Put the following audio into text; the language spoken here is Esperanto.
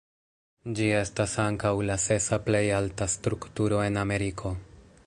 Ĝi estas ankaŭ la sesa plej alta strukturo en Ameriko.